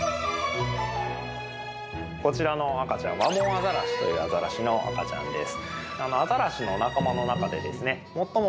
こちらの赤ちゃんワモンアザラシというアザラシの赤ちゃんです。